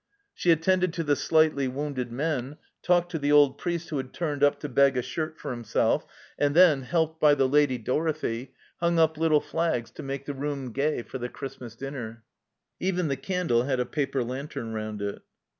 She attended to the slightly wounded men, talked to the old priest who had turned up to beg a shirt for himself, and then, helped by the Lady Dorothie, hung up little flags to make the room gay for the Christmas dinner. Even the candle had a paper lantern round it.